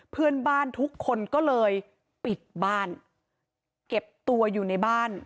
เพื่อนบ้านทุกคนก็เลยปิดบ้านเก็บตัวอยู่ในบ้าน